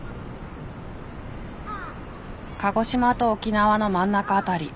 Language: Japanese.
鹿児島と沖縄の真ん中辺り